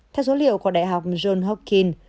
theo dữ liệu của đại học john hawking